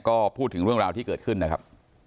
ก็พูดถึงเรื่องราวที่เกิดขึ้นนะครับ